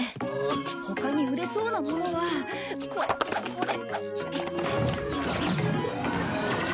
他に売れそうなものはこれとこれ。